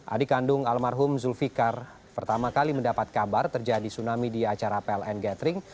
adik kandung almarhum zulfikar pertama kali mendapat kabar terjadi tsunami di acara pln gathering